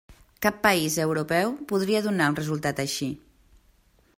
Cap país europeu podria donar un resultat així.